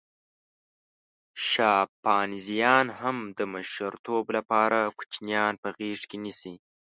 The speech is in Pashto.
شامپانزیان هم د مشرتوب لپاره کوچنیان په غېږه کې نیسي.